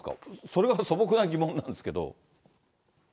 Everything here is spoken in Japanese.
それが素朴な疑問なんですけど。